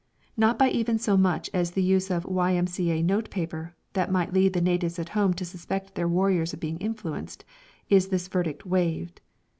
Not by even so much as the use of Y.M.C.A. notepaper that might lead the natives at home to suspect their warriors of being influenced is this verdict waived.